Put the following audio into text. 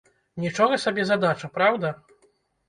Нічога сабе задача, праўда?